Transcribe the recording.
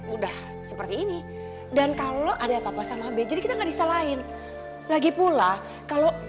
udah seperti ini dan kalau ada apa apa sama bejadinya disalahin lagi pula kalau